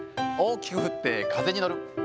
大きく振って風に乗る。